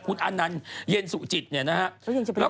คุณอนันต์เย็นสุจิตเนี่ยนะฮะ